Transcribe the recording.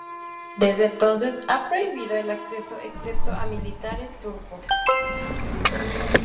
Desde entonces ha prohibido el acceso, excepto a militares turcos.